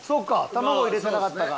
卵入れてなかったか。